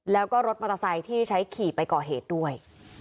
แล้วก็รถมอเตอร์ไซค์ที่ใช้ขี่ไปก่อเหตุด้วย